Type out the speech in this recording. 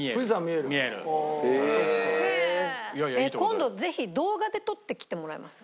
今度ぜひ動画で撮ってきてもらえます？